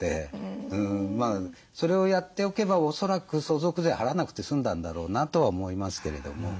それをやっておけばおそらく相続税払わなくて済んだんだろうなとは思いますけれども。